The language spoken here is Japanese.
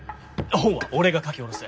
本は俺が書き下ろす。